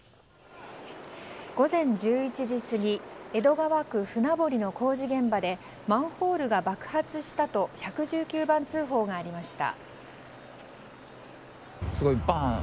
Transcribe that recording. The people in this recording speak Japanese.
午前１１時過ぎ江戸川区船堀の工事現場でマンホールが爆発したと１１９番通報がありました。